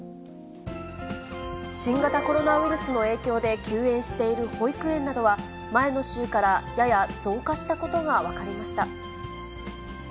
新型コロナウイルスの影響で休園している保育園などは前の週からやや増加したことが分かりました。